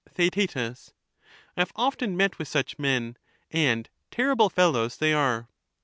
Theaet, I have oflen met with such men, and terrible fellows they are.